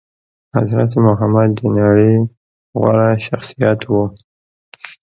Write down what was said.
حضرت محمد د نړي غوره شخصيت وو